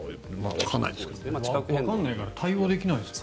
わからないから対応できないですよね。